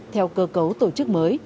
theo cơ cấu tổ chức mới